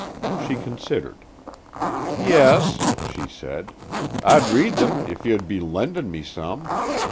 She considered. "Yes," she said. "I'd read them if you'd be lendin' me some.